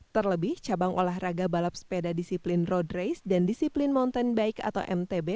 terlebih cabang olahraga balap sepeda disiplin road race dan disiplin mountain bike atau mtb